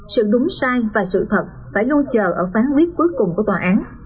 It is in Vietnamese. sự đúng sai và sự thật phải lưu trờ ở phán quyết cuối cùng của tòa án